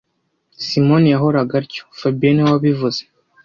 Simoni yahoraga atyo fabien niwe wabivuze